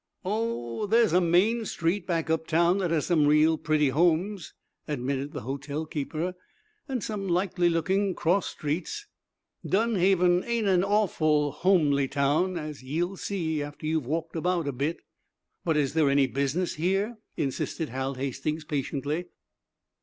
"Oh, there's a Main Street, back uptown, that has some real pretty homes," admitted the hotel keeper, "an' some likely lookin' cross streets. Dunhaven ain't an awful homely town, as ye'll see after you've walked about a bit." "But is there any business here?" insisted Hal Hastings, patiently.